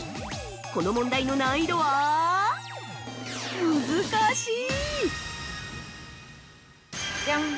この問題の難易度はむずかしい。